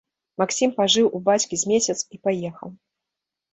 Максім пажыў у бацькі з месяц і паехаў.